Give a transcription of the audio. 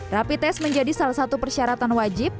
rapi tes menjadi salah satu persyaratan wajib